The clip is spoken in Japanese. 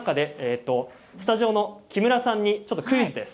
スタジオの木村さんにクイズです。